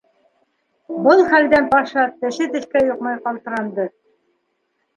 Был хәлдән Паша теше тешкә йоҡмай ҡалтыранды.